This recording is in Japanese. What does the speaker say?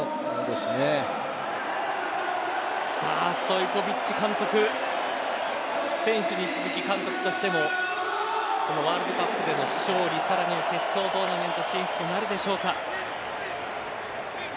ストイコヴィッチ監督選手に続き、監督としてもこのワールドカップでの勝利さらには決勝トーナメント進出となるでしょうか。